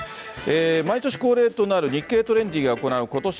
毎年恒例となる、日経トレンディが行うことし